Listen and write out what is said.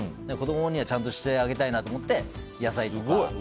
子供にはちゃんとしてあげたいなと思って野菜とか。